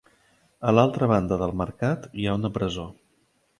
A l'altra banda del mercat hi ha una presó.